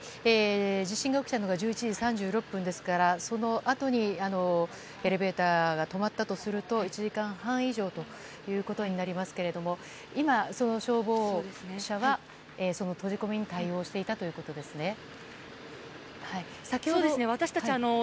地震が起きたのが１１時３６分ですからそのあとに、エレベーターが止まったとすると１時間半以上ということになりますが今、消防車は閉じ込めに対応していたということですね。